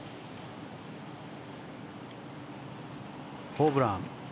ホブラン。